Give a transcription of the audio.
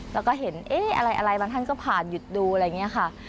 แล้วก็เห็นเอ๊ะอะไรบางท่านก็ผ่านหยุดดูอะไรอย่างนี้ค่ะ